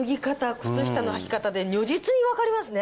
靴下のはき方で如実に分かりますね